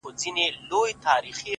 ښه دی چي ونه درېد ښه دی چي روان ښه دی ـ